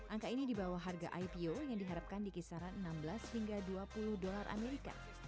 angka ini di bawah harga ipo yang diharapkan di kisaran enam belas hingga dua puluh dolar amerika